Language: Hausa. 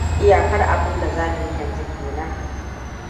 Iyakar abinda za mu yi yanzu ke nan.